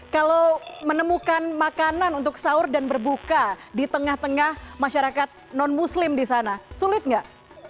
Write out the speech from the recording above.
kalau menemukan makanan untuk sahur dan berbuka di tengah tengah masyarakat non muslim di sana sulit nggak